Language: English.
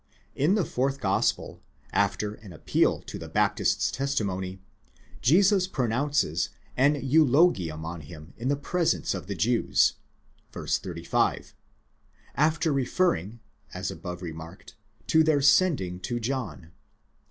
In the fourth gospel, after an appeal to the Baptist's testimony, Jesus pronounces an eulogium on him in the presence of the Jews (v. 35), after referring, as above remarked, to their sending to John.